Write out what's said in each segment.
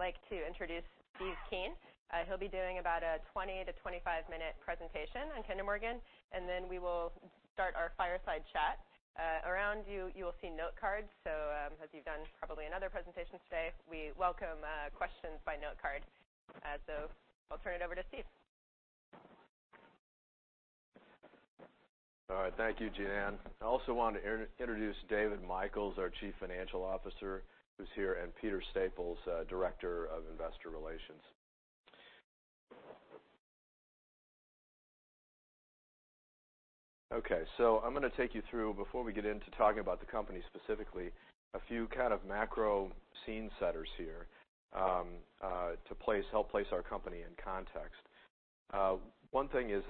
I'd like to introduce Steven Kean. He'll be doing about a 20-25-minute presentation on Kinder Morgan, then we will start our fireside chat. Around you will see note cards, as you've done probably in other presentations today, we welcome questions by note card. I'll turn it over to Steve. All right. Thank you, Jean Ann. I also want to introduce David Michels, our Chief Financial Officer, who's here, and Peter Staples, Director of Investor Relations. Okay. I'm going to take you through, before we get into talking about the company specifically, a few macro scene setters here to help place our company in context. One thing is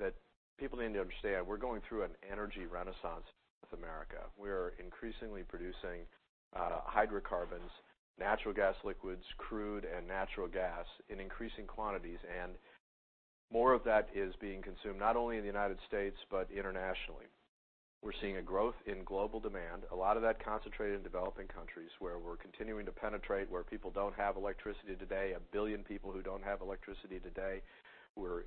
that people need to understand, we're going through an energy renaissance in North America. We are increasingly producing hydrocarbons, natural gas liquids, crude and natural gas in increasing quantities, and more of that is being consumed not only in the U.S. but internationally. We're seeing a growth in global demand, a lot of that concentrated in developing countries where we're continuing to penetrate, where people don't have electricity today, a billion people who don't have electricity today. We're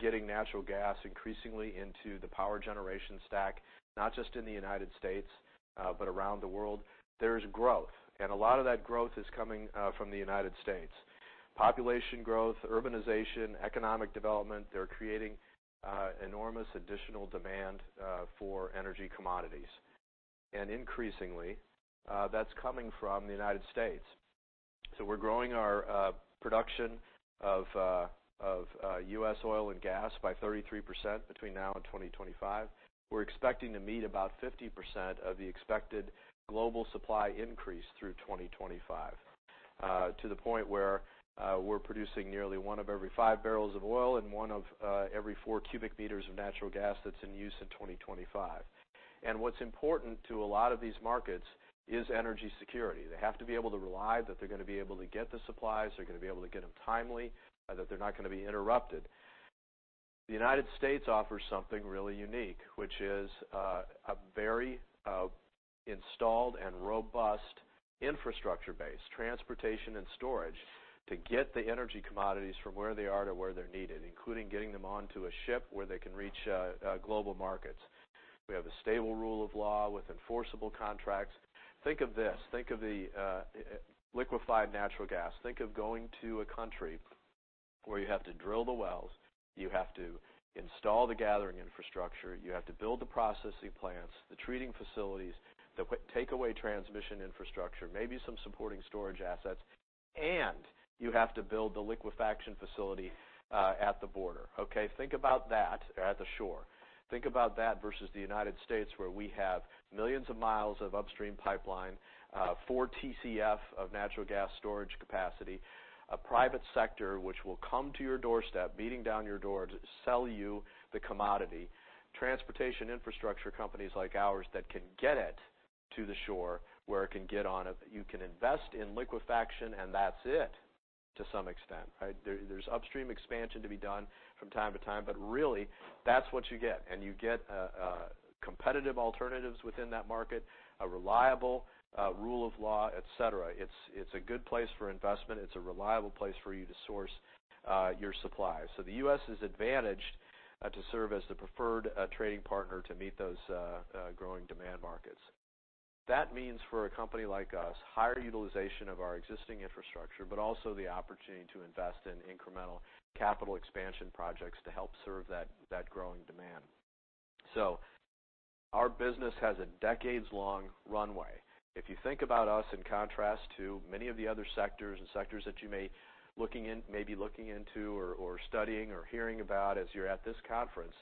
getting natural gas increasingly into the power generation stack, not just in the U.S. but around the world. There is growth, and a lot of that growth is coming from the U.S. Population growth, urbanization, economic development, they're creating enormous additional demand for energy commodities. Increasingly, that's coming from the U.S. We're growing our production of U.S. oil and gas by 33% between now and 2025. We're expecting to meet about 50% of the expected global supply increase through 2025, to the point where we're producing nearly one of every five barrels of oil and one of every four cubic meters of natural gas that's in use in 2025. What's important to a lot of these markets is energy security. They have to be able to rely that they're going to be able to get the supplies, they're going to be able to get them timely, that they're not going to be interrupted. The U.S. offers something really unique, which is a very installed and robust infrastructure base, transportation and storage to get the energy commodities from where they are to where they're needed, including getting them onto a ship where they can reach global markets. We have a stable rule of law with enforceable contracts. Think of this. Think of the liquefied natural gas. Think of going to a country where you have to drill the wells, you have to install the gathering infrastructure, you have to build the processing plants, the treating facilities, the takeaway transmission infrastructure, maybe some supporting storage assets, and you have to build the liquefaction facility at the border, okay? Think about that at the shore. Think about that versus the U.S., where we have millions of miles of upstream pipeline, 4 TCF of natural gas storage capacity, a private sector which will come to your doorstep, beating down your door to sell you the commodity. Transportation infrastructure companies like ours that can get it to the shore where it can get on a You can invest in liquefaction, and that's it to some extent, right? There's upstream expansion to be done from time to time, but really, that's what you get. You get competitive alternatives within that market, a reliable rule of law, et cetera. It's a good place for investment. It's a reliable place for you to source your supply. The U.S. is advantaged to serve as the preferred trading partner to meet those growing demand markets. That means for a company like us, higher utilization of our existing infrastructure, but also the opportunity to invest in incremental capital expansion projects to help serve that growing demand. Our business has a decades-long runway. If you think about us in contrast to many of the other sectors and sectors that you may be looking into or studying or hearing about as you're at this conference,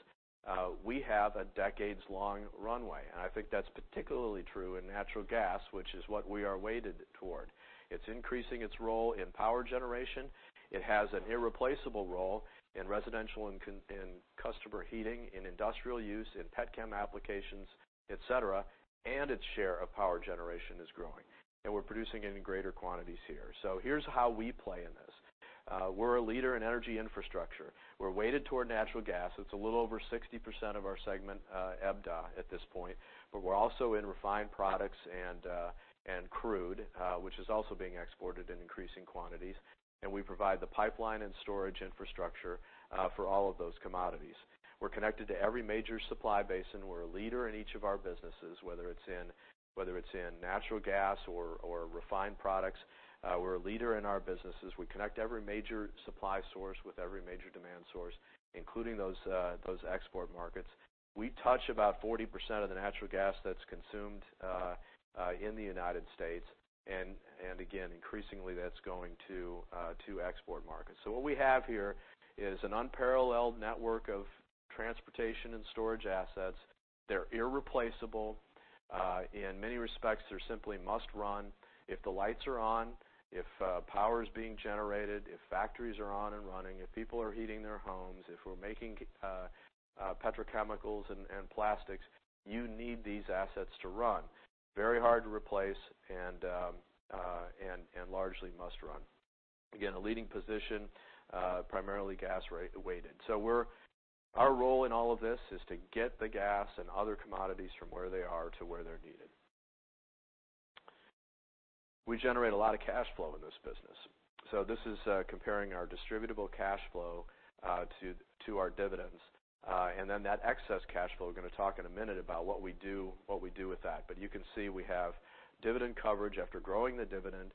we have a decades-long runway. I think that's particularly true in natural gas, which is what we are weighted toward. It's increasing its role in power generation. It has an irreplaceable role in residential and customer heating, in industrial use, in petchem applications, et cetera, and its share of power generation is growing. We're producing it in greater quantities here. Here's how we play in this. We're a leader in energy infrastructure. We're weighted toward natural gas. It's a little over 60% of our segment EBITDA at this point, but we're also in refined products and crude, which is also being exported in increasing quantities. We provide the pipeline and storage infrastructure for all of those commodities. We're connected to every major supply basin. We're a leader in each of our businesses, whether it's in natural gas or refined products. We're a leader in our businesses. We connect every major supply source with every major demand source, including those export markets. We touch about 40% of the natural gas that's consumed in the U.S., and again, increasingly that's going to export markets. What we have here is an unparalleled network of transportation and storage assets. They're irreplaceable. In many respects, they're simply must-run. If the lights are on, if power is being generated, if factories are on and running, if people are heating their homes, if we're making petrochemicals and plastics, you need these assets to run. Very hard to replace and largely must run. Again, a leading position, primarily gas-weighted. Our role in all of this is to get the gas and other commodities from where they are to where they're needed. We generate a lot of cash flow in this business. This is comparing our distributable cash flow to our dividends. That excess cash flow, we're going to talk in a minute about what we do with that. You can see we have dividend coverage after growing the dividend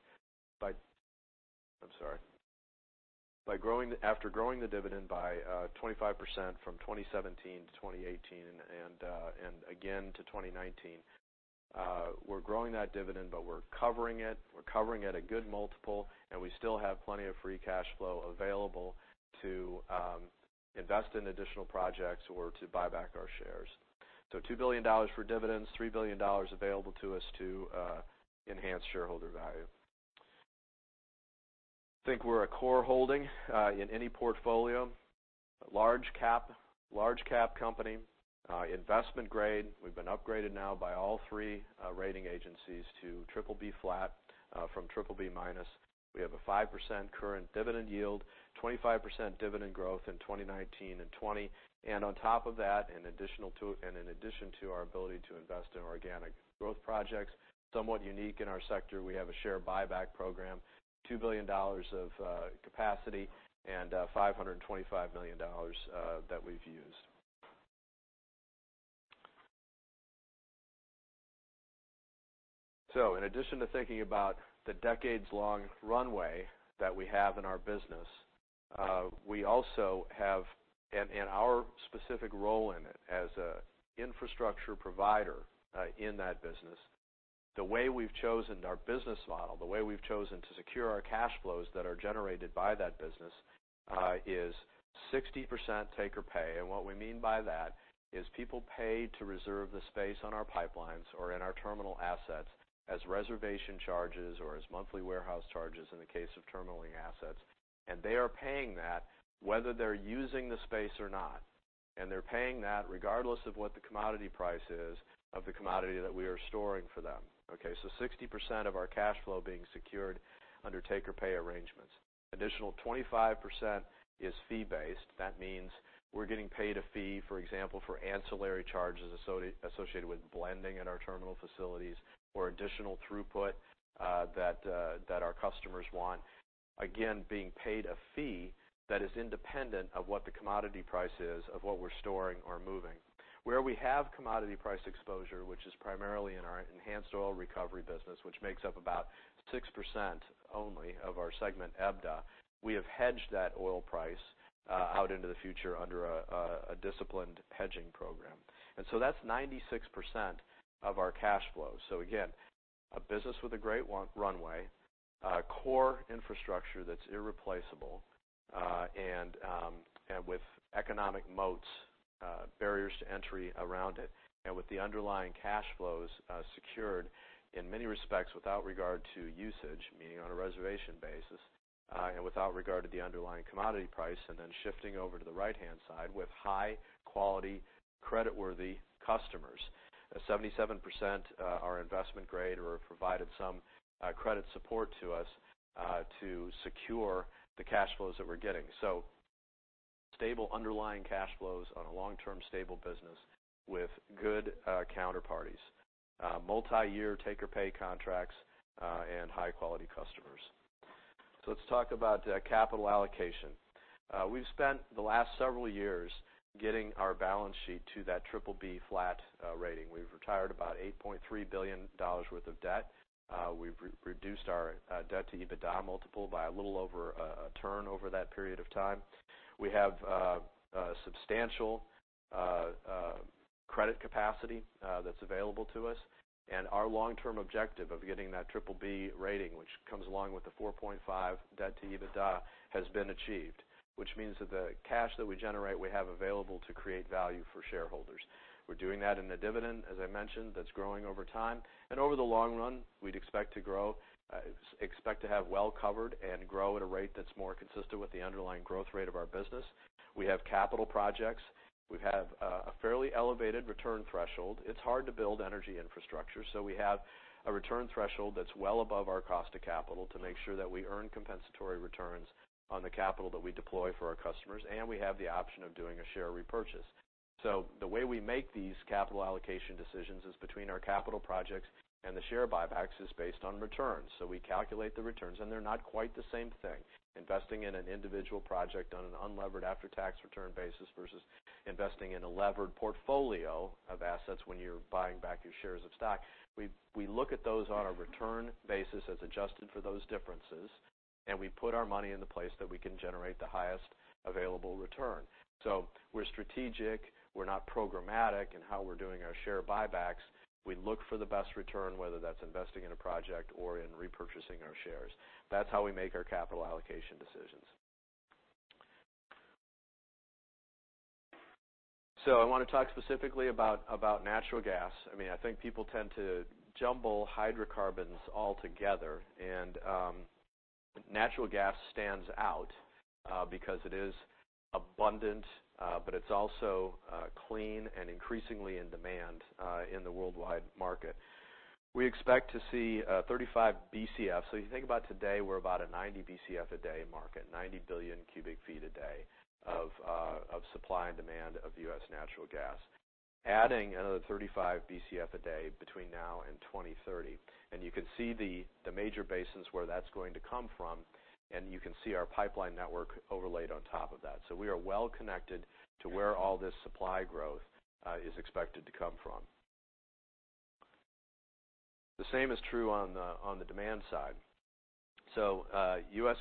by I'm sorry. After growing the dividend by 25% from 2017 to 2018 and again to 2019. We're growing that dividend, but we're covering it. we're covering at a good multiple, and we still have plenty of free cash flow available to invest in additional projects or to buy back our shares. $2 billion for dividends, $3 billion available to us to enhance shareholder value. I think we're a core holding in any portfolio. Large cap company, investment grade. We've been upgraded now by all three rating agencies to BBB flat from BBB-. We have a 5% current dividend yield, 25% dividend growth in 2019 and 2020. On top of that, and in addition to our ability to invest in organic growth projects, somewhat unique in our sector, we have a share buyback program, $2 billion of capacity and $525 million that we've used. In addition to thinking about the decades-long runway that we have in our business, we also have and our specific role in it as a infrastructure provider in that business. The way we've chosen our business model, the way we've chosen to secure our cash flows that are generated by that business is 60% take-or-pay. What we mean by that is people pay to reserve the space on our pipelines or in our terminal assets as reservation charges or as monthly warehouse charges in the case of terminaling assets. They are paying that whether they're using the space or not, and they're paying that regardless of what the commodity price is of the commodity that we are storing for them. Okay, 60% of our cash flow being secured under take-or-pay arrangements. Additional 25% is fee-based. That means we're getting paid a fee. For example, for ancillary charges associated with blending in our terminal facilities or additional throughput that our customers want. Again, being paid a fee that is independent of what the commodity price is of what we're storing or moving. Where we have commodity price exposure, which is primarily in our enhanced oil recovery business, which makes up about 6% only of our segment EBITDA. We have hedged that oil price out into the future under a disciplined hedging program. That's 96% of our cash flow. Again, a business with a great runway, core infrastructure that's irreplaceable, and with economic moats, barriers to entry around it. With the underlying cash flows secured in many respects without regard to usage, meaning on a reservation basis, and without regard to the underlying commodity price. Then shifting over to the right-hand side with high-quality, creditworthy customers. 77% are investment-grade or have provided some credit support to us to secure the cash flows that we're getting. Stable underlying cash flows on a long-term stable business with good counterparties. Multi-year take-or-pay contracts and high-quality customers. Let's talk about capital allocation. We've spent the last several years getting our balance sheet to that BBB flat rating. We've retired about $8.3 billion worth of debt. We've reduced our debt to EBITDA multiple by a little over a turn over that period of time. We have substantial credit capacity that's available to us. Our long-term objective of getting that BBB rating, which comes along with the 4.5 debt to EBITDA, has been achieved. Which means that the cash that we generate, we have available to create value for shareholders. We're doing that in the dividend, as I mentioned, that's growing over time. Over the long run, we'd expect to have well covered and grow at a rate that's more consistent with the underlying growth rate of our business. We have capital projects. We have a fairly elevated return threshold. It's hard to build energy infrastructure, so we have a return threshold that's well above our cost of capital to make sure that we earn compensatory returns on the capital that we deploy for our customers, and we have the option of doing a share repurchase. The way we make these capital allocation decisions is between our capital projects and the share buybacks is based on returns. We calculate the returns, and they're not quite the same thing. Investing in an individual project on an unlevered after-tax return basis versus investing in a levered portfolio of assets when you're buying back your shares of stock. We look at those on a return basis as adjusted for those differences, we put our money in the place that we can generate the highest available return. We're strategic. We're not programmatic in how we're doing our share buybacks. We look for the best return, whether that's investing in a project or in repurchasing our shares. That's how we make our capital allocation decisions. I want to talk specifically about natural gas. I think people tend to jumble hydrocarbons all together, and natural gas stands out because it is abundant, but it's also clean and increasingly in demand in the worldwide market. We expect to see 35 BCF. If you think about today, we're about a 90 BCF a day market, 90 billion cubic feet a day of supply and demand of U.S. natural gas, adding another 35 BCF a day between now and 2030. You can see the major basins where that's going to come from, and you can see our pipeline network overlaid on top of that. We are well-connected to where all this supply growth is expected to come from. The same is true on the demand side. U.S.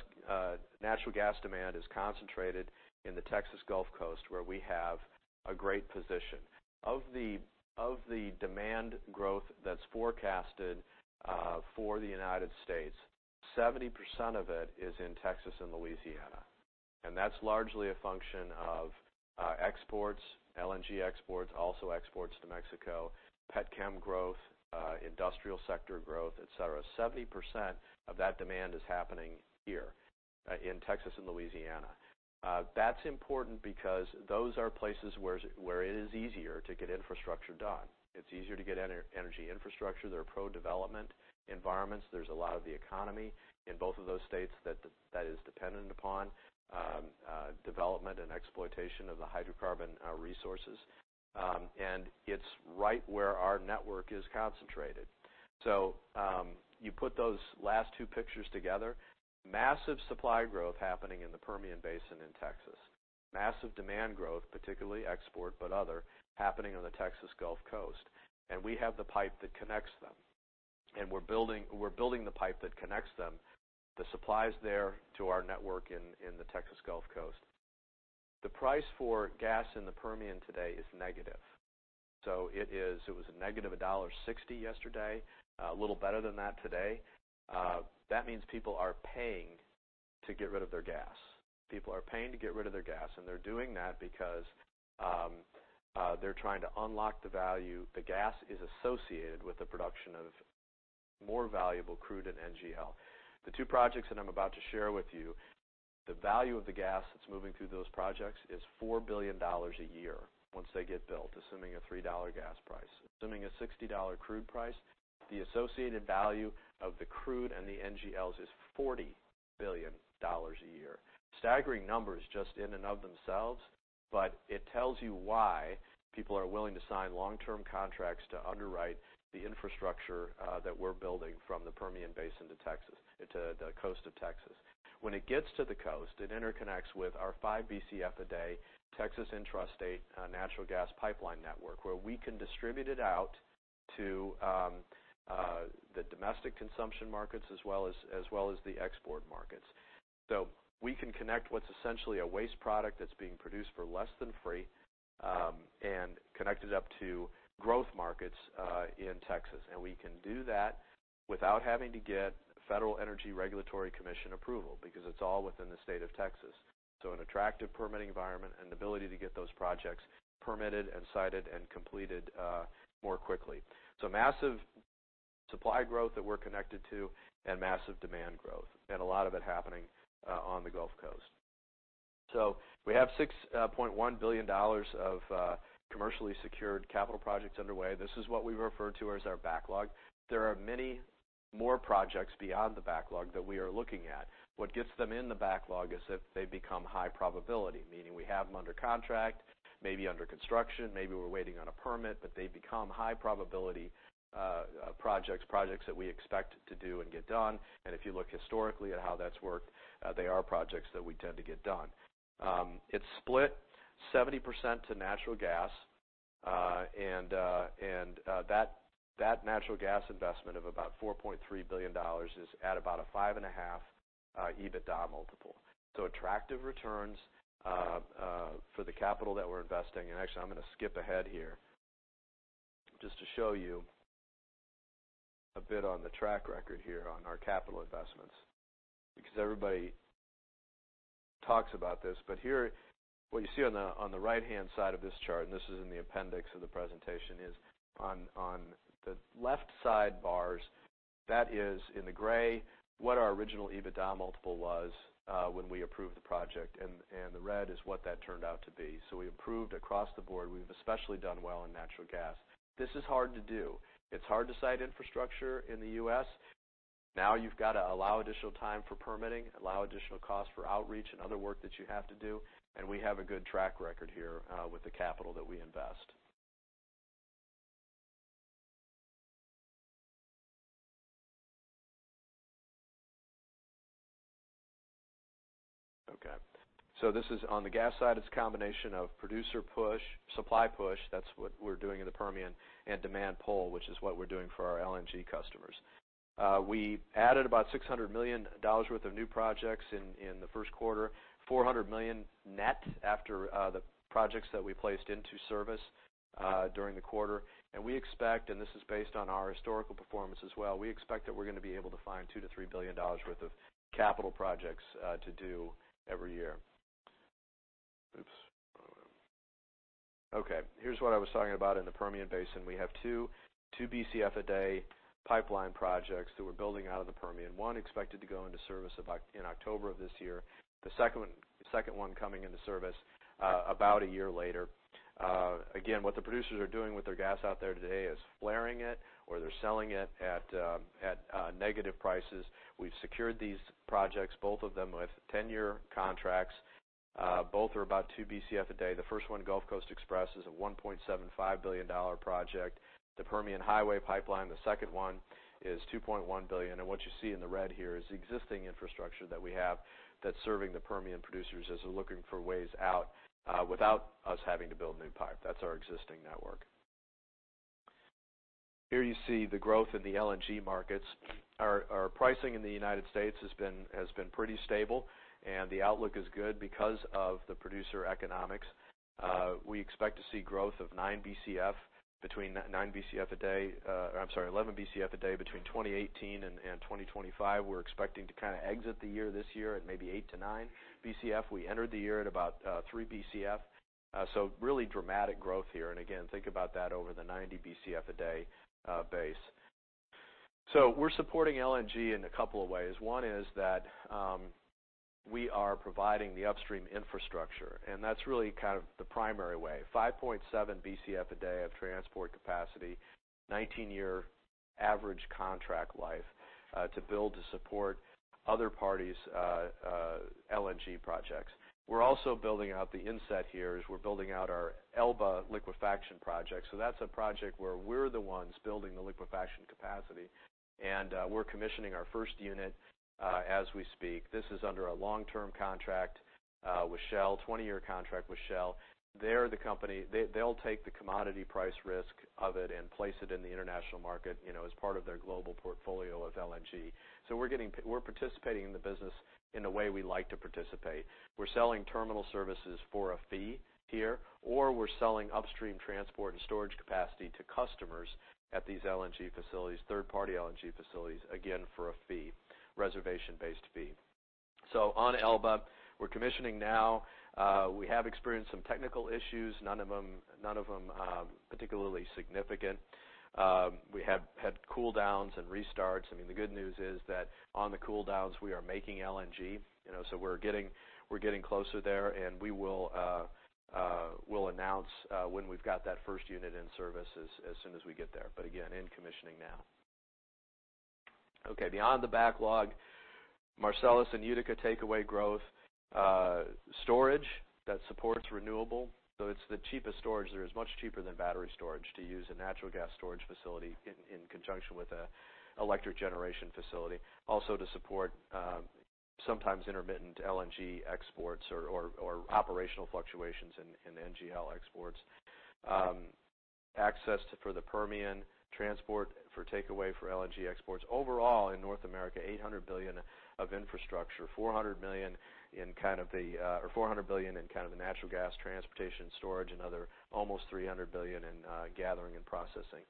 natural gas demand is concentrated in the Texas Gulf Coast, where we have a great position. Of the demand growth that's forecasted for the United States, 70% of it is in Texas and Louisiana, and that's largely a function of exports, LNG exports, also exports to Mexico, petchem growth, industrial sector growth, et cetera. 70% of that demand is happening here in Texas and Louisiana. That's important because those are places where it is easier to get infrastructure done. It's easier to get energy infrastructure. There are pro-development environments. There's a lot of the economy in both of those states that is dependent upon development and exploitation of the hydrocarbon resources. It's right where our network is concentrated. You put those last two pictures together, massive supply growth happening in the Permian Basin in Texas, massive demand growth, particularly export, but other, happening on the Texas Gulf Coast. We have the pipe that connects them. We're building the pipe that connects them, the supplies there to our network in the Texas Gulf Coast. The price for gas in the Permian today is negative. It was a negative $1.60 yesterday. A little better than that today. That means people are paying to get rid of their gas. People are paying to get rid of their gas, and they're doing that because they're trying to unlock the value. The gas is associated with the production of more valuable crude and NGL. The two projects that I'm about to share with you, the value of the gas that's moving through those projects is $4 billion a year once they get built, assuming a $3 gas price. Assuming a $60 crude price, the associated value of the crude and the NGLs is $40 billion a year. Staggering numbers just in and of themselves, but it tells you why people are willing to sign long-term contracts to underwrite the infrastructure that we're building from the Permian Basin to the coast of Texas. When it gets to the coast, it interconnects with our five BCF a day Texas intrastate natural gas pipeline network, where we can distribute it out to the domestic consumption markets as well as the export markets. We can connect what's essentially a waste product that's being produced for less than free, and connect it up to growth markets in Texas. We can do that without having to get Federal Energy Regulatory Commission approval because it's all within the state of Texas. An attractive permitting environment and the ability to get those projects permitted and sited and completed more quickly. Massive supply growth that we're connected to and massive demand growth, and a lot of it happening on the Gulf Coast. We have $6.1 billion of commercially secured capital projects underway. This is what we refer to as our backlog. There are many more projects beyond the backlog that we are looking at. What gets them in the backlog is that they become high probability, meaning we have them under contract, maybe under construction, maybe we're waiting on a permit, but they become high probability projects that we expect to do and get done. If you look historically at how that's worked, they are projects that we tend to get done. It's split 70% to natural gas. That natural gas investment of about $4.3 billion is at about a five and a half EBITDA multiple. Attractive returns for the capital that we're investing. Actually, I'm going to skip ahead here just to show you a bit on the track record here on our capital investments, because everybody talks about this. Here, what you see on the right-hand side of this chart, and this is in the appendix of the presentation, is on the left side bars, that is in the gray, what our original EBITDA multiple was when we approved the project, and the red is what that turned out to be. We improved across the board. We've especially done well in natural gas. This is hard to do. It's hard to site infrastructure in the U.S. Now you've got to allow additional time for permitting, allow additional cost for outreach and other work that you have to do, and we have a good track record here with the capital that we invest. Okay, this is on the gas side. It's a combination of producer push, supply push, that's what we're doing in the Permian, and demand pull, which is what we're doing for our LNG customers. We added about $600 million worth of new projects in the first quarter, $400 million net after the projects that we placed into service during the quarter. We expect, and this is based on our historical performance as well, we expect that we're going to be able to find $2 billion-$3 billion worth of capital projects to do every year. Oops. Okay. Here's what I was talking about in the Permian Basin. We have 2 BCF a day pipeline projects that we're building out of the Permian. One expected to go into service in October of this year. The second one coming into service about a year later. What the producers are doing with their gas out there today is flaring it, or they're selling it at negative prices. We've secured these projects, both of them with 10-year contracts. Both are about 2 Bcf a day. The first one, Gulf Coast Express, is a $1.75 billion project. The Permian Highway Pipeline, the second one, is $2.1 billion. What you see in the red here is the existing infrastructure that we have that's serving the Permian producers as they're looking for ways out without us having to build new pipe. That's our existing network. Here you see the growth in the LNG markets. Our pricing in the United States has been pretty stable, and the outlook is good because of the producer economics. We expect to see growth of 9 Bcf a day or I'm sorry, 11 Bcf a day between 2018 and 2025. We're expecting to exit the year this year at maybe 8 Bcf-9 Bcf. We entered the year at about 3 Bcf. Really dramatic growth here. Think about that over the 90 Bcf a day base. We're supporting LNG in a couple of ways. One is that we are providing the upstream infrastructure, and that's really kind of the primary way. 5.7 Bcf a day of transport capacity, 19-year average contract life to build to support other parties' LNG projects. We're also building out. The inset here is we're building out our Elba liquefaction project. That's a project where we're the ones building the liquefaction capacity, and we're commissioning our first unit as we speak. This is under a long-term contract with Shell, 20-year contract with Shell. They're the company. They'll take the commodity price risk of it and place it in the international market as part of their global portfolio of LNG. We're participating in the business in a way we like to participate. We're selling terminal services for a fee here, or we're selling upstream transport and storage capacity to customers at these LNG facilities, third-party LNG facilities, again, for a fee, reservation-based fee. On Elba, we're commissioning now. We have experienced some technical issues, none of them particularly significant. We have had cool downs and restarts. I mean, the good news is that on the cool downs, we are making LNG. We're getting closer there, and we'll announce when we've got that first unit in service as soon as we get there. In commissioning now. Okay, beyond the backlog, Marcellus and Utica takeaway growth. Storage that supports renewable. It's the cheapest storage there is, much cheaper than battery storage to use a natural gas storage facility in conjunction with an electric generation facility. Also to support sometimes intermittent LNG exports or operational fluctuations in NGL exports. Access for the Permian transport for takeaway for LNG exports. Overall, in North America, $800 billion of infrastructure, $400 billion in kind of the natural gas transportation storage and other almost $300 billion in gathering and processing.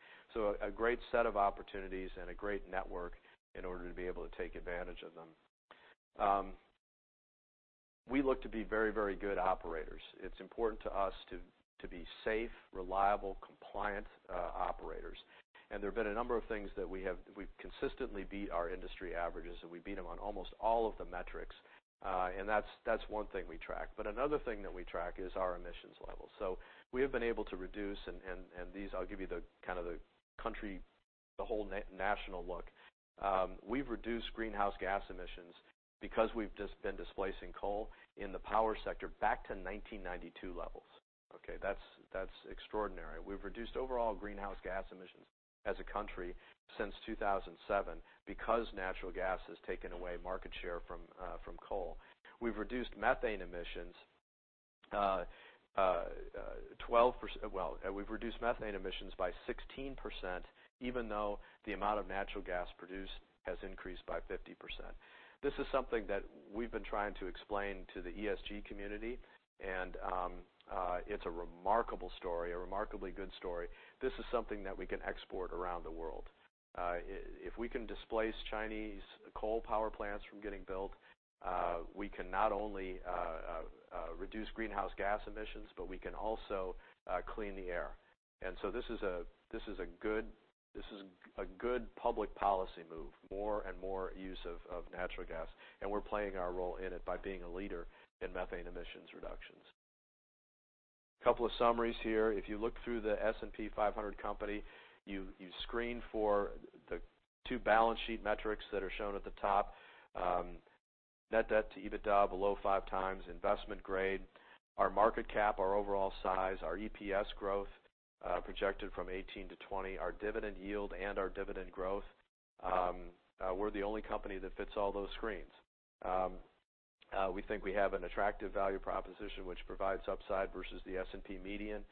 A great set of opportunities and a great network in order to be able to take advantage of them. We look to be very, very good operators. It's important to us to be safe, reliable, compliant operators. There have been a number of things that we've consistently beat our industry averages, and we beat them on almost all of the metrics. That's one thing we track. Another thing that we track is our emissions level. We have been able to reduce, and these, I'll give you the kind of the country, the whole national look. We've reduced greenhouse gas emissions because we've just been displacing coal in the power sector back to 1992 levels. Okay, that's extraordinary. We've reduced overall greenhouse gas emissions as a country since 2007 because natural gas has taken away market share from coal. We've reduced methane emissions by 16%, even though the amount of natural gas produced has increased by 50%. This is something that we've been trying to explain to the ESG community, and it's a remarkable story, a remarkably good story. This is something that we can export around the world. If we can displace Chinese coal power plants from getting built, we can not only reduce greenhouse gas emissions, but we can also clean the air. This is a good public policy move, more and more use of natural gas. We're playing our role in it by being a leader in methane emissions reductions. Couple of summaries here. If you look through the S&P 500 company, you screen for the two balance sheet metrics that are shown at the top. Net debt to EBITDA below five times, investment grade. Our market cap, our overall size, our EPS growth projected from 2018 to 2020, our dividend yield, and our dividend growth. We're the only company that fits all those screens. We think we have an attractive value proposition which provides upside versus the S&P median,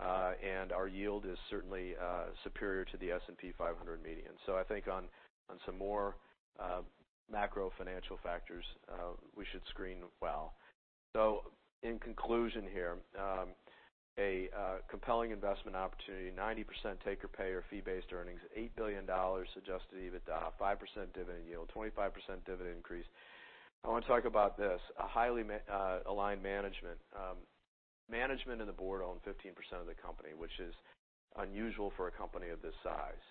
and our yield is certainly superior to the S&P 500 median. I think on some more macro financial factors, we should screen well. In conclusion here, a compelling investment opportunity, 90% take-or-pay or fee-based earnings, $8 billion adjusted EBITDA, 5% dividend yield, 25% dividend increase. I want to talk about this, a highly aligned management. Management and the board own 15% of the company, which is unusual for a company of this size.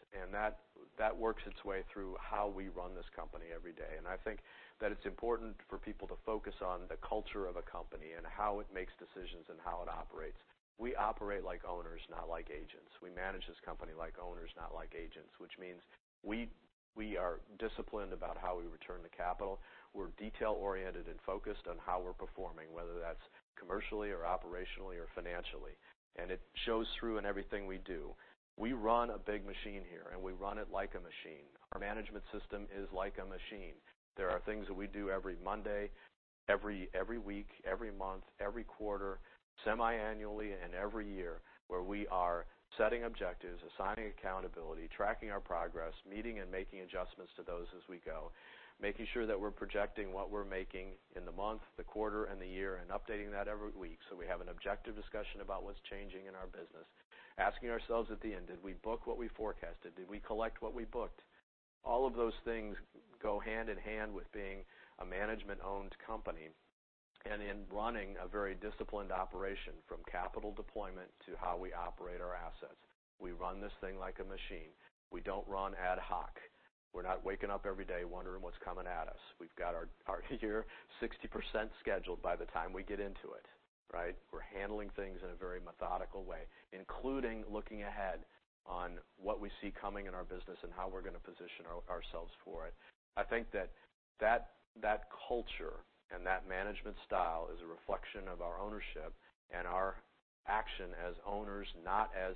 That works its way through how we run this company every day. I think that it's important for people to focus on the culture of a company and how it makes decisions and how it operates. We operate like owners, not like agents. We manage this company like owners, not like agents, which means we are disciplined about how we return the capital. We're detail-oriented and focused on how we're performing, whether that's commercially or operationally or financially. It shows through in everything we do. We run a big machine here, and we run it like a machine. Our management system is like a machine. There are things that we do every Monday, every week, every month, every quarter, semiannually, and every year, where we are setting objectives, assigning accountability, tracking our progress, meeting and making adjustments to those as we go, making sure that we're projecting what we're making in the month, the quarter, and the year, and updating that every week, so we have an objective discussion about what's changing in our business. Asking ourselves at the end, "Did we book what we forecasted? Did we collect what we booked?" All of those things go hand-in-hand with being a management-owned company and in running a very disciplined operation, from capital deployment to how we operate our assets. We run this thing like a machine. We don't run ad hoc. We're not waking up every day wondering what's coming at us. We've got our year 60% scheduled by the time we get into it. Right? We're handling things in a very methodical way, including looking ahead on what we see coming in our business and how we're going to position ourselves for it. I think that that culture and that management style is a reflection of our ownership and our action as owners, not as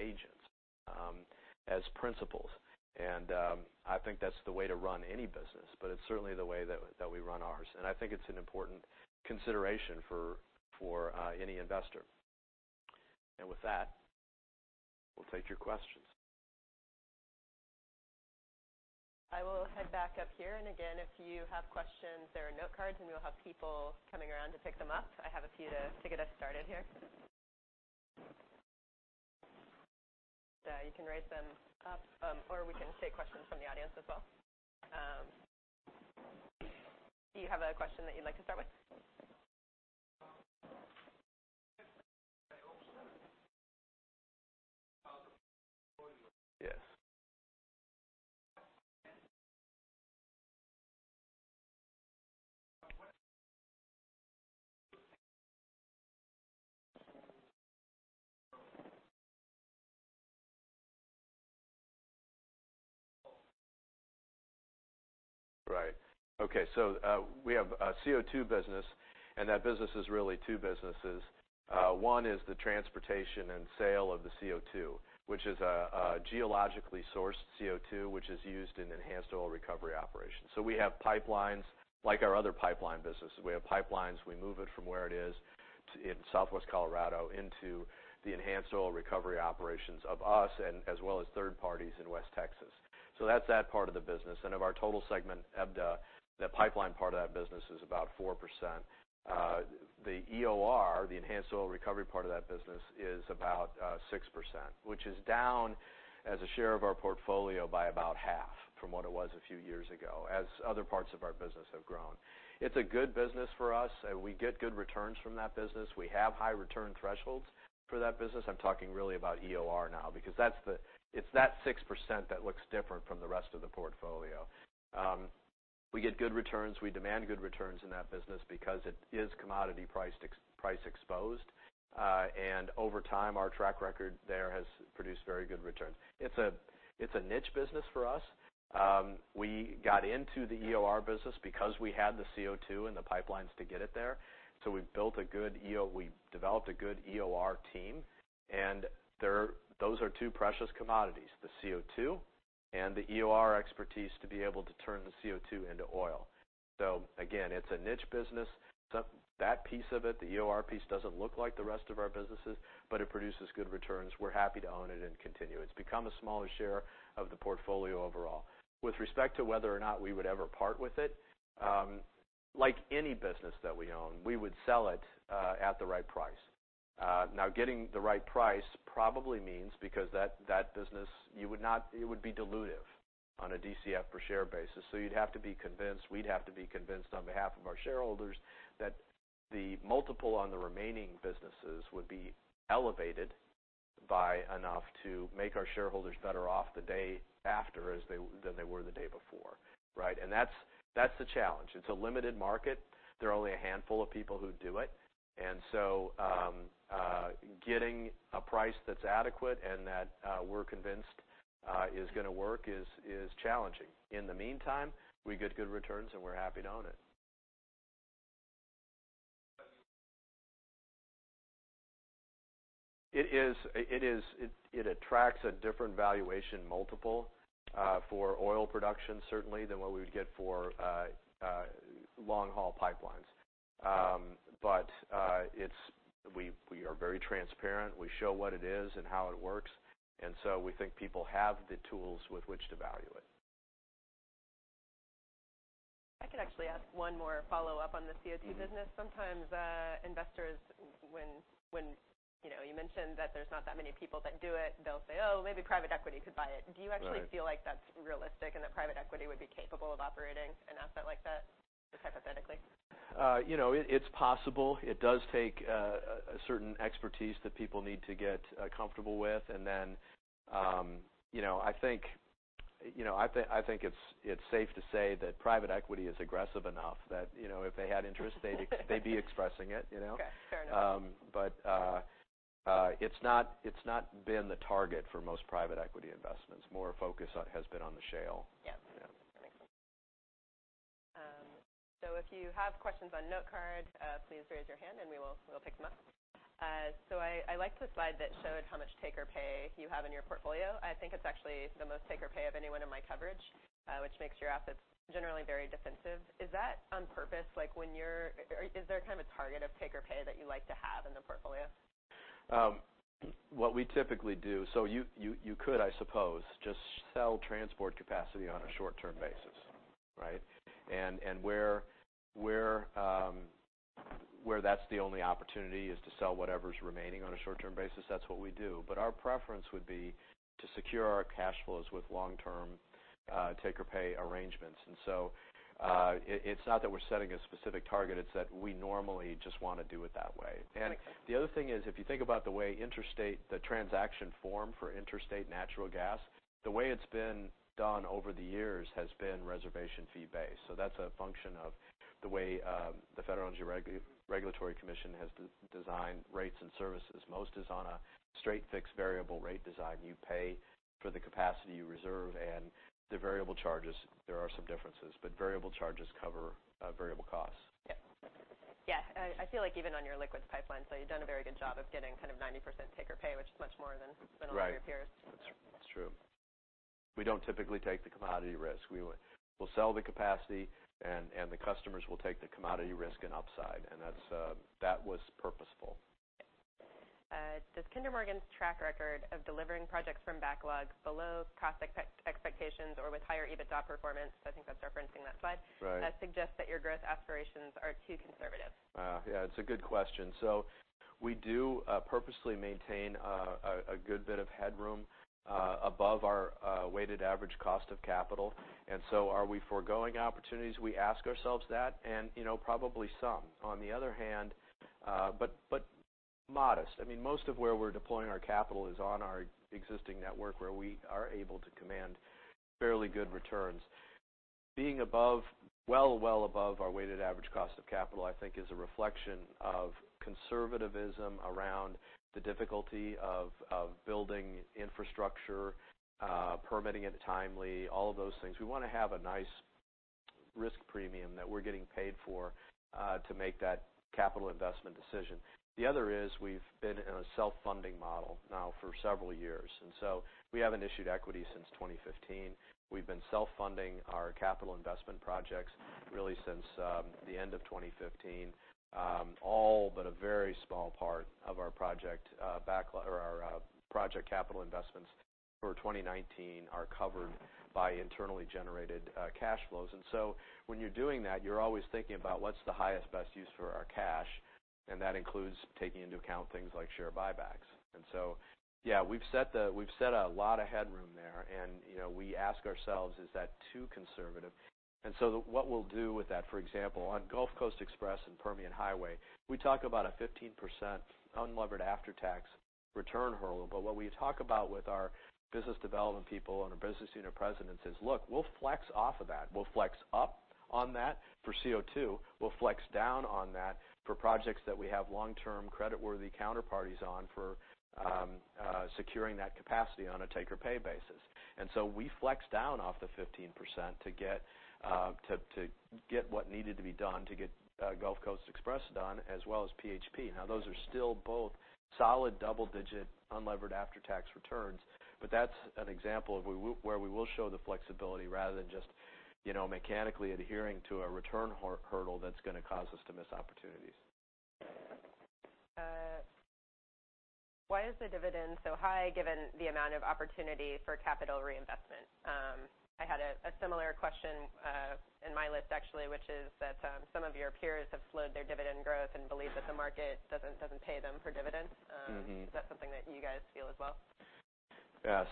agents, as principals. I think that's the way to run any business, but it's certainly the way that we run ours. I think it's an important consideration for any investor. With that, we'll take your questions. I will head back up here. Again, if you have questions, there are note cards, and we will have people coming around to pick them up. I have a few to get us started here. You can raise them up, or we can take questions from the audience as well. Do you have a question that you'd like to start with? Yes. Right. Okay. We have a CO2 business, and that business is really two businesses. One is the transportation and sale of the CO2, which is a geologically sourced CO2, which is used in enhanced oil recovery operations. We have pipelines, like our other pipeline businesses. We have pipelines. We move it from where it is in southwest Colorado into the enhanced oil recovery operations of us, as well as third parties in West Texas. That's that part of the business. Of our total segment, EBITDA, the pipeline part of that business is about 4%. The EOR, the enhanced oil recovery part of that business, is about 6%, which is down as a share of our portfolio by about half from what it was a few years ago, as other parts of our business have grown. It's a good business for us. We get good returns from that business. We have high return thresholds for that business. I'm talking really about EOR now, because it's that 6% that looks different from the rest of the portfolio. We get good returns. We demand good returns in that business because it is commodity price exposed. Over time, our track record there has produced very good returns. It's a niche business for us. We got into the EOR business because we had the CO2 and the pipelines to get it there. We've developed a good EOR team, and those are two precious commodities, the CO2 and the EOR expertise to be able to turn the CO2 into oil. Again, it's a niche business. That piece of it, the EOR piece, doesn't look like the rest of our businesses, but it produces good returns. We're happy to own it and continue. It's become a smaller share of the portfolio overall. With respect to whether or not we would ever part with it, like any business that we own, we would sell it at the right price. Now, getting the right price probably means, because that business, it would be dilutive on a DCF per share basis. You'd have to be convinced, we'd have to be convinced on behalf of our shareholders, that the multiple on the remaining businesses would be elevated by enough to make our shareholders better off the day after than they were the day before. Right? That's the challenge. It's a limited market. There are only a handful of people who do it. Getting a price that's adequate and that we're convinced is going to work is challenging. In the meantime, we get good returns, and we're happy to own it. It attracts a different valuation multiple for oil production, certainly, than what we would get for long-haul pipelines. We are very transparent. We show what it is and how it works, we think people have the tools with which to value it. I could actually ask one more follow-up on the CO2 business. Sometimes investors, when you mention that there's not that many people that do it, they'll say, "Oh, maybe private equity could buy it. Right. Do you actually feel like that's realistic and that private equity would be capable of operating an asset like that, just hypothetically? It's possible. It does take a certain expertise that people need to get comfortable with. Then, I think it's safe to say that private equity is aggressive enough that if they had interest, they'd be expressing it. Okay. Fair enough. It's not been the target for most private equity investments. More focus has been on the shale. Yeah. That makes sense. If you have questions on Notecard, please raise your hand and we will pick them up. I liked the slide that showed how much take-or-pay you have in your portfolio. I think it's actually the most take-or-pay of anyone in my coverage, which makes your assets generally very defensive. Is that on purpose? Is there a target of take-or-pay that you like to have in the portfolio? What we typically do. You could, I suppose, just sell transport capacity on a short-term basis, right? Where that's the only opportunity is to sell whatever's remaining on a short-term basis, that's what we do. Our preference would be to secure our cash flows with long-term take-or-pay arrangements. It's not that we're setting a specific target, it's that we normally just want to do it that way. Got it. The other thing is, if you think about the way the transaction form for interstate natural gas, the way it's been done over the years has been reservation fee based. That's a function of the way the Federal Energy Regulatory Commission has designed rates and services. Most is on a straight-fixed-variable rate design. You pay for the capacity you reserve and the variable charges. There are some differences, but variable charges cover variable costs. Yeah. I feel like even on your liquids pipeline, you've done a very good job of getting 90% take-or-pay, which is much more than- Right a lot of your peers. That's true. We don't typically take the commodity risk. We'll sell the capacity, and the customers will take the commodity risk and upside, and that was purposeful. Okay. Does Kinder Morgan's track record of delivering projects from backlog below prospect expectations or with higher EBITDA performance, I think that's referencing that slide- Right suggest that your growth aspirations are too conservative? It's a good question. We do purposely maintain a good bit of headroom above our weighted average cost of capital. Are we foregoing opportunities? We ask ourselves that, and probably some. On the other hand, but modest. Most of where we're deploying our capital is on our existing network where we are able to command fairly good returns. Being well above our weighted average cost of capital, I think is a reflection of conservativism around the difficulty of building infrastructure, permitting it timely, all of those things. We want to have a nice risk premium that we're getting paid for to make that capital investment decision. The other is we've been in a self-funding model now for several years. We haven't issued equity since 2015. We've been self-funding our capital investment projects really since the end of 2015. All but a very small part of our project capital investments for 2019 are covered by internally generated cash flows. When you're doing that, you're always thinking about what's the highest, best use for our cash, and that includes taking into account things like share buybacks. We've set a lot of headroom there. We ask ourselves, is that too conservative? What we'll do with that, for example, on Gulf Coast Express and Permian Highway, we talk about a 15% unlevered after-tax return hurdle. What we talk about with our business development people and our business unit presidents is, look, we'll flex off of that. We'll flex up on that for CO2. We'll flex down on that for projects that we have long-term creditworthy counterparties on for securing that capacity on a take-or-pay basis. We flex down off the 15% to get what needed to be done to get Gulf Coast Express done, as well as PHP. Those are still both solid double-digit unlevered after-tax returns, that's an example of where we will show the flexibility rather than just mechanically adhering to a return hurdle that's going to cause us to miss opportunities. Why is the dividend so high given the amount of opportunity for capital reinvestment? I had a similar question in my list actually, which is that some of your peers have slowed their dividend growth and believe that the market doesn't pay them for dividends. Is that something that you guys feel as well? Yeah.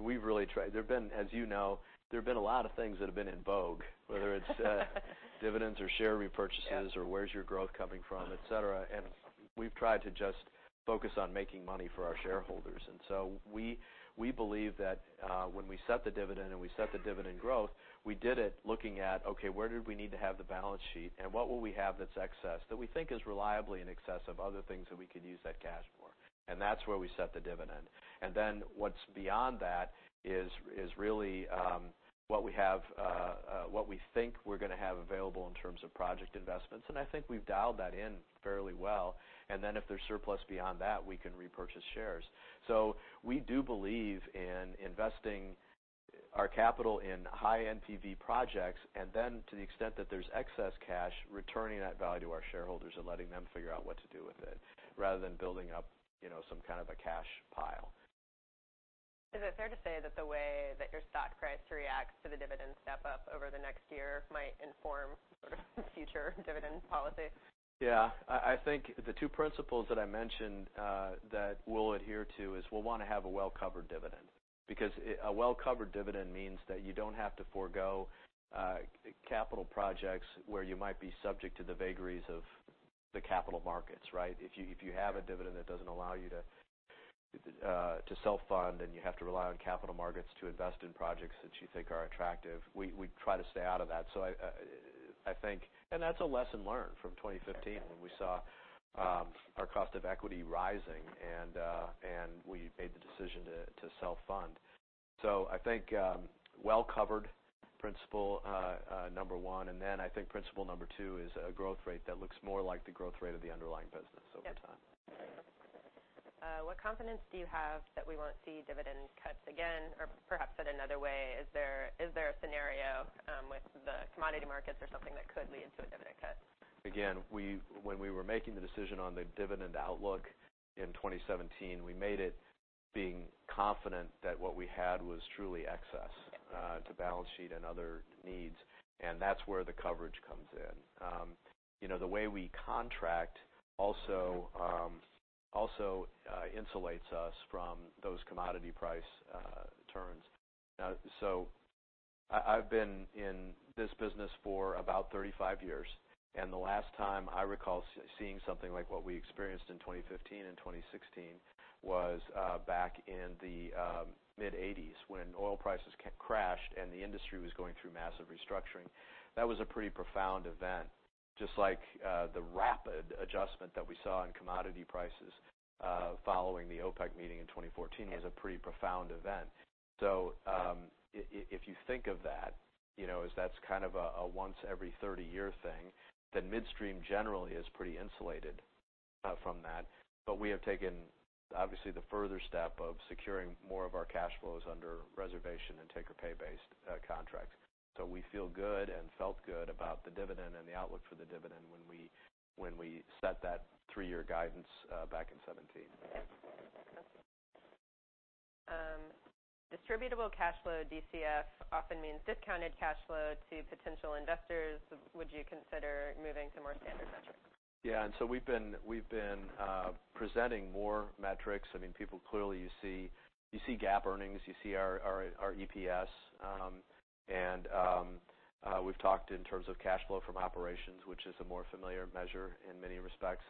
We've really tried. As you know, there have been a lot of things that have been in vogue. Whether it's dividends or share repurchases. Yeah Where's your growth coming from, et cetera. We've tried to just focus on making money for our shareholders. We believe that when we set the dividend and we set the dividend growth, we did it looking at, okay, where did we need to have the balance sheet, and what will we have that's excess that we think is reliably in excess of other things that we could use that cash for? That's where we set the dividend. What's beyond that is really what we think we're going to have available in terms of project investments, and I think we've dialed that in fairly well. If there's surplus beyond that, we can repurchase shares. We do believe in investing our capital in high NPV projects, and then to the extent that there's excess cash, returning that value to our shareholders and letting them figure out what to do with it, rather than building up some kind of a cash pile. Is it fair to say that the way that your stock price reacts to the dividend step up over the next year might inform future dividend policy? Yeah. I think the two principles that I mentioned that we'll adhere to is we'll want to have a well-covered dividend. A well-covered dividend means that you don't have to forgo capital projects where you might be subject to the vagaries of the capital markets, right? If you have a dividend that doesn't allow you to self-fund, then you have to rely on capital markets to invest in projects that you think are attractive. We try to stay out of that. That's a lesson learned from 2015, when we saw our cost of equity rising, and we made the decision to self-fund. I think well-covered principle number 1, and then I think principle number 2 is a growth rate that looks more like the growth rate of the underlying business over time. Yep. What confidence do you have that we won't see dividend cuts again, or perhaps said another way, is there a scenario with the commodity markets or something that could lead to a dividend cut? When we were making the decision on the dividend outlook in 2017, we made it being confident that what we had was truly excess to balance sheet and other needs, and that's where the coverage comes in. The way we contract also insulates us from those commodity price turns. I've been in this business for about 35 years, and the last time I recall seeing something like what we experienced in 2015 and 2016 was back in the mid-'80s, when oil prices crashed and the industry was going through massive restructuring. That was a pretty profound event, just like the rapid adjustment that we saw in commodity prices following the OPEC meeting in 2014 was a pretty profound event. If you think of that as that's kind of a once every 30 year thing, then midstream generally is pretty insulated from that. We have taken, obviously, the further step of securing more of our cash flows under reservation and take-or-pay based contracts. We feel good and felt good about the dividend and the outlook for the dividend when we set that three-year guidance back in 2017. Yep. Okay. Distributable cash flow, DCF, often means discounted cash flow to potential investors. Would you consider moving to more standard metrics? Yeah. We've been presenting more metrics. People clearly you see GAAP earnings, you see our EPS, and we've talked in terms of cash flow from operations, which is a more familiar measure in many respects.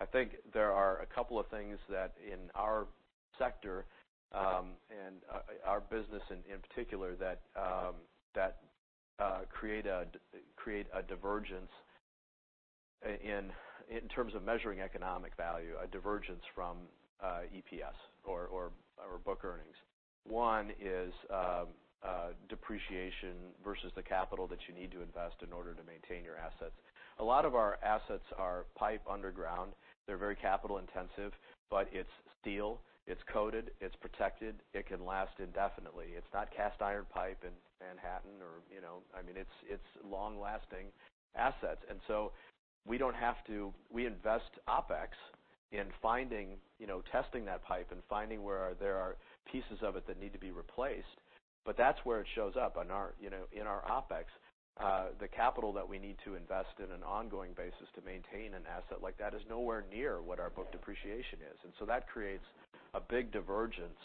I think there are a couple of things that in our sector, and our business in particular, that create a divergence in terms of measuring economic value, a divergence from EPS or book earnings. One is depreciation versus the capital that you need to invest in order to maintain your assets. A lot of our assets are pipe underground. They're very capital intensive, but it's steel, it's coated, it's protected. It can last indefinitely. It's not cast iron pipe in Manhattan. It's long-lasting assets. We invest OpEx in testing that pipe and finding where there are pieces of it that need to be replaced, but that's where it shows up, in our OpEx. The capital that we need to invest in an ongoing basis to maintain an asset like that is nowhere near what our book depreciation is. That creates a big divergence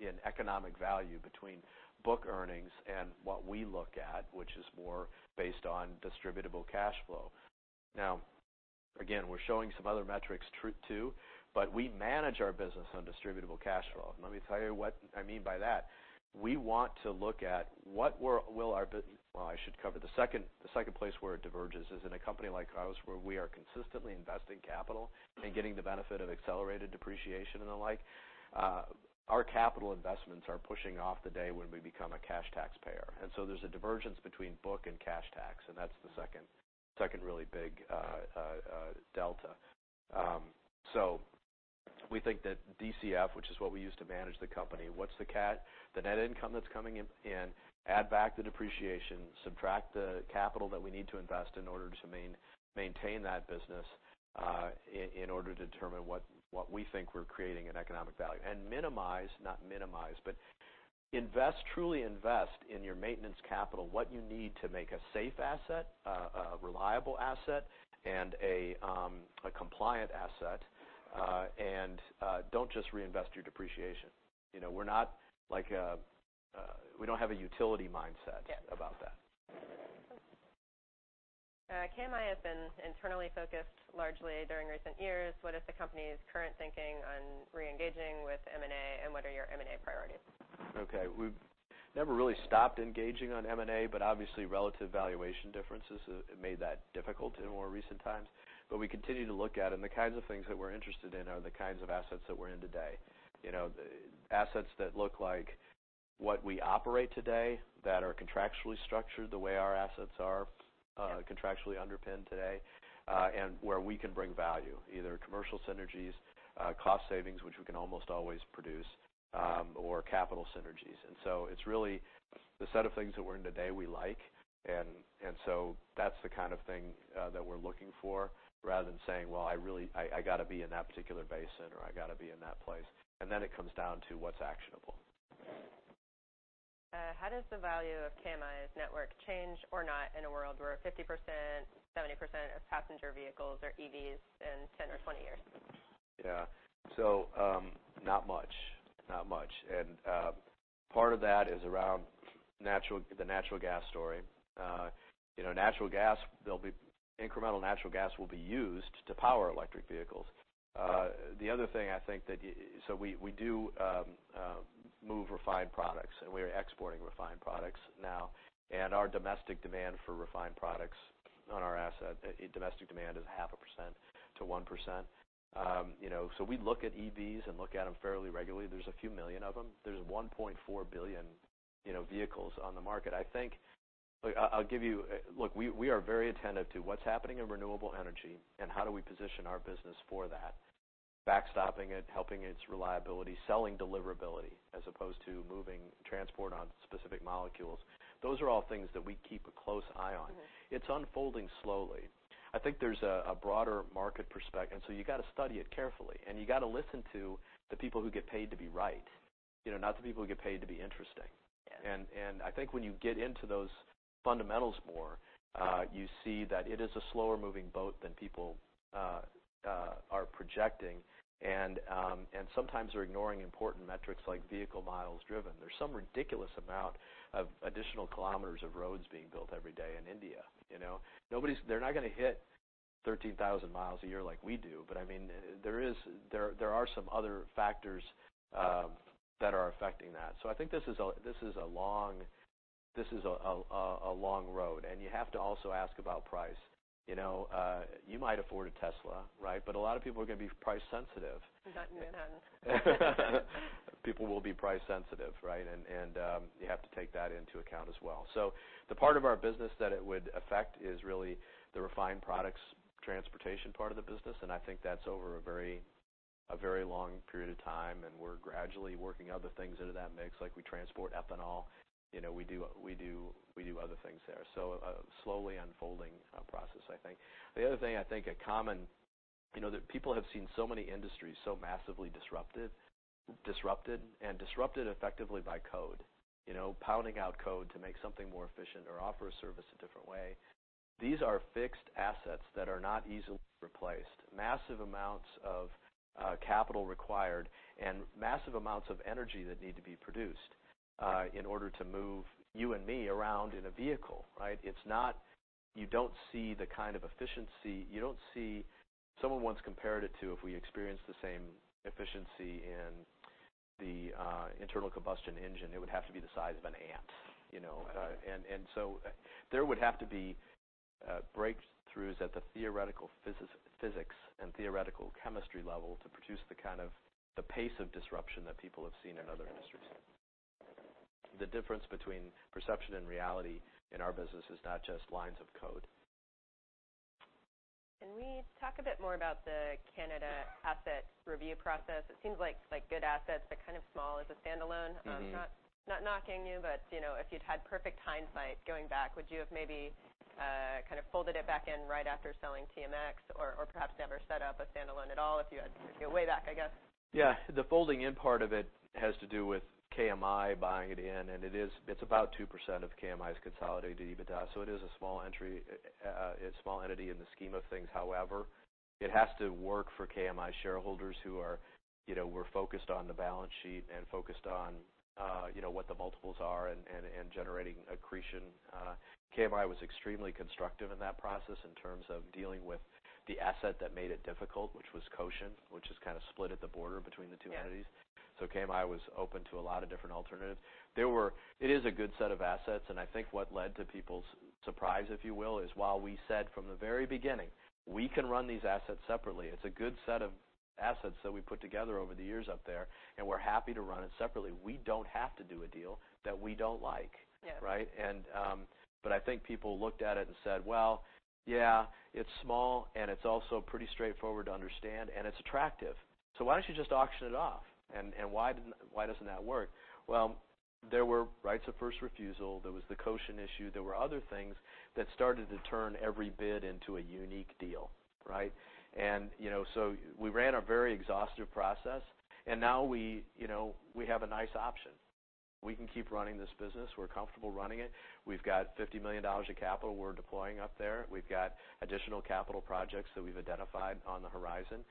in economic value between book earnings and what we look at, which is more based on distributable cash flow. Now, again, we're showing some other metrics too, but we manage our business on distributable cash flow. Let me tell you what I mean by that. We want to look at what will our Well, I should cover the second place where it diverges is in a company like ours, where we are consistently investing capital and getting the benefit of accelerated depreciation and the like. Our capital investments are pushing off the day when we become a cash taxpayer. There's a divergence between book and cash tax, and that's the second really big delta. We think that DCF, which is what we use to manage the company. What's the calc? The net income that's coming in, add back the depreciation, subtract the capital that we need to invest in order to maintain that business, in order to determine what we think we're creating in economic value. Minimize, not minimize, but truly invest in your maintenance capital, what you need to make a safe asset, a reliable asset, and a compliant asset. Don't just reinvest your depreciation. We don't have a utility mindset- Yeah about that. KMI has been internally focused largely during recent years. What is the company's current thinking on re-engaging with M&A, and what are your M&A priorities? Okay. We've never really stopped engaging on M&A, obviously relative valuation differences have made that difficult in more recent times. We continue to look at, and the kinds of things that we're interested in are the kinds of assets that we're in today. Assets that look like what we operate today, that are contractually structured the way our assets are contractually underpinned today, and where we can bring value, either commercial synergies, cost savings, which we can almost always produce, or capital synergies. It's really the set of things that we're in today, we like, that's the kind of thing that we're looking for, rather than saying, "Well, I got to be in that particular basin," or, "I got to be in that place." Then it comes down to what's actionable. How does the value of KMI's network change or not in a world where 50%-70% of passenger vehicles are EVs in 10 or 20 years? Yeah. Not much. Not much. Part of that is around the natural gas story. Incremental natural gas will be used to power electric vehicles. The other thing, we do move refined products, and we are exporting refined products now. Our domestic demand for refined products on our asset, domestic demand is 0.5%-1%. We look at EVs and look at them fairly regularly. There's a few million of them. There's 1.4 billion vehicles on the market. Look, we are very attentive to what's happening in renewable energy and how do we position our business for that. Backstopping it, helping its reliability, selling deliverability as opposed to moving transport on specific molecules. Those are all things that we keep a close eye on. It's unfolding slowly. I think there's a broader market perspective, you got to study it carefully, you got to listen to the people who get paid to be right, not the people who get paid to be interesting. Yeah. I think when you get into those fundamentals more, you see that it is a slower-moving boat than people are projecting. Sometimes they're ignoring important metrics like vehicle miles driven. There's some ridiculous amount of additional kilometers of roads being built every day in India. They're not going to hit 13,000 miles a year like we do, but there are some other factors that are affecting that. I think this is a long road, and you have to also ask about price. You might afford a Tesla, right? A lot of people are going to be price sensitive. Not me, not in Manhattan. People will be price sensitive, right? You have to take that into account as well. The part of our business that it would affect is really the refined products transportation part of the business, and I think that's over a very long period of time, and we're gradually working other things into that mix. Like we transport ethanol. We do other things there. A slowly unfolding process, I think. The other thing, people have seen so many industries so massively disrupted, and disrupted effectively by code. Pounding out code to make something more efficient or offer a service a different way. These are fixed assets that are not easily replaced. Massive amounts of capital required and massive amounts of energy that need to be produced in order to move you and me around in a vehicle, right? Someone once compared it to if we experienced the same efficiency in the internal combustion engine, it would have to be the size of an ant. Right. There would have to be breakthroughs at the theoretical physics and theoretical chemistry level to produce the pace of disruption that people have seen in other industries. The difference between perception and reality in our business is not just lines of code. Can we talk a bit more about the Canada asset review process? It seems like good assets, but kind of small as a standalone. I'm not knocking you, but if you'd had perfect hindsight going back, would you have maybe folded it back in right after selling TMX? Or perhaps never set up a standalone at all if you had. The folding in part of it has to do with KMI buying it in, and it's about 2% of KMI's consolidated EBITDA, so it is a small entity in the scheme of things. However, it has to work for KMI shareholders who were focused on the balance sheet and focused on what the multiples are and generating accretion. KMI was extremely constructive in that process in terms of dealing with the asset that made it difficult, which was Cochin, which is kind of split at the border between the two entities. Yeah. KMI was open to a lot of different alternatives. It is a good set of assets, and I think what led to people's surprise, if you will, is while we said from the very beginning, "We can run these assets separately. It's a good set of assets that we put together over the years up there, and we're happy to run it separately. We don't have to do a deal that we don't like. Yeah. Right? I think people looked at it and said, "Well, yeah, it's small, and it's also pretty straightforward to understand, and it's attractive. So why don't you just auction it off?" Why doesn't that work? Well, there were rights of first refusal, there was the Cochin issue. There were other things that started to turn every bid into a unique deal, right? We ran a very exhaustive process, and now we have a nice option. We can keep running this business. We're comfortable running it. We've got $50 million of capital we're deploying up there. We've got additional capital projects that we've identified on the horizon.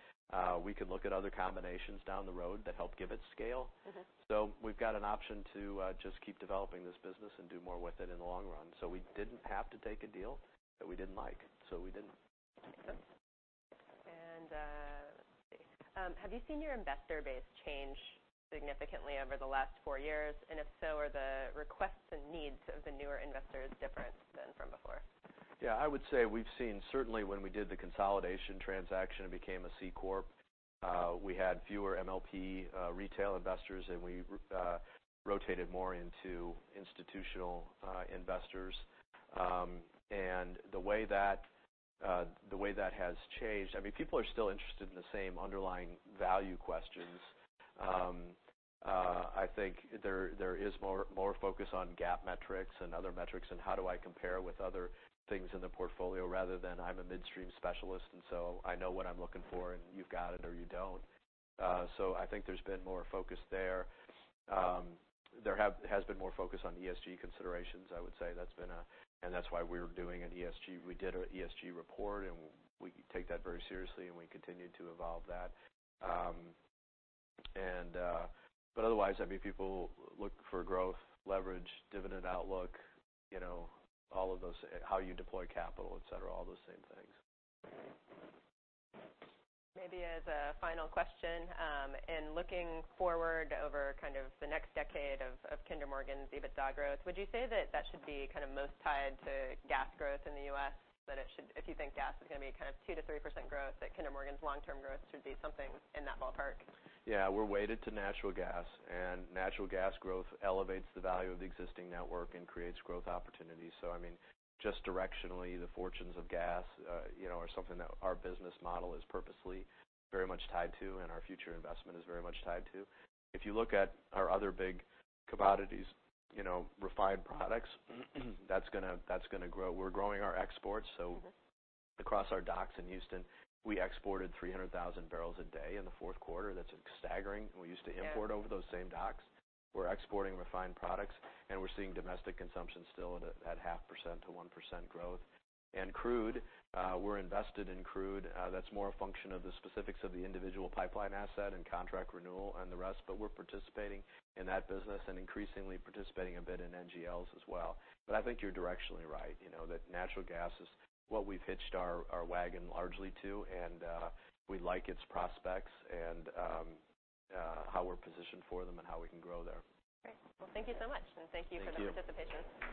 We can look at other combinations down the road that help give it scale. We've got an option to just keep developing this business and do more with it in the long run. We didn't have to take a deal that we didn't like, so we didn't. Okay. Let's see. Have you seen your investor base change significantly over the last four years? If so, are the requests and needs of the newer investors different than from before? I would say we've seen, certainly when we did the consolidation transaction and became a C corp, we had fewer MLP retail investors, we rotated more into institutional investors. The way that has changed, people are still interested in the same underlying value questions. I think there is more focus on GAAP metrics and other metrics, how do I compare with other things in the portfolio rather than I'm a midstream specialist, I know what I'm looking for, you've got it or you don't. I think there's been more focus there. There has been more focus on ESG considerations, I would say. That's why we did an ESG report, we take that very seriously, we continue to evolve that. Otherwise, people look for growth, leverage, dividend outlook, how you deploy capital, et cetera, all those same things. Maybe as a final question, in looking forward over the next decade of Kinder Morgan's EBITDA growth, would you say that that should be most tied to gas growth in the U.S.? If you think gas is going to be 2%-3% growth, that Kinder Morgan's long-term growth should be something in that ballpark? We're weighted to natural gas, natural gas growth elevates the value of the existing network and creates growth opportunities. Just directionally, the fortunes of gas are something that our business model is purposely very much tied to and our future investment is very much tied to. If you look at our other big commodities, refined products, that's going to grow. We're growing our exports. across our docks in Houston, we exported 300,000 barrels a day in the fourth quarter. That's staggering. We used to import. Yeah over those same docks. We're exporting refined products, and we're seeing domestic consumption still at 0.5% to 1% growth. Crude, we're invested in crude. That's more a function of the specifics of the individual pipeline asset and contract renewal and the rest, but we're participating in that business and increasingly participating a bit in NGLs as well. I think you're directionally right, that natural gas is what we've hitched our wagon largely to, and we like its prospects and how we're positioned for them and how we can grow there. Great. Well, thank you so much, and thank you for the participation.